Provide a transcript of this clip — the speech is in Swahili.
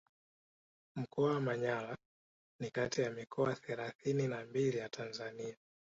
Mkoa wa Manyara ni kati ya mikoa thelathini na mbili ya Tanzania